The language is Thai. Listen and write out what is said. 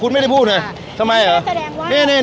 คุณไม่ได้พูดนะชามาร์เดี้ยวตาแรงว่าเนี่ยเนี่ย